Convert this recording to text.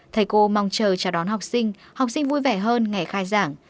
thầy cô mong chờ chào đón học sinh học sinh vui vẻ hơn ngày khai giảng